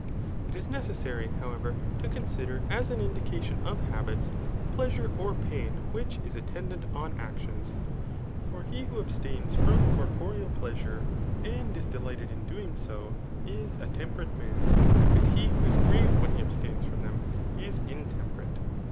It is necessary^ however, to ix)9aider as an indi ca ii pa of habits the pleasure or pain which is att^idaiitpa^^c* tiim& For he who s^>^tains from Ciorpoxeal pleaMi;^^ and is delighted in so ddng, is a temperate man } but he who is grieved vAea he abstaiaa from diem,^ is intemp^ rate.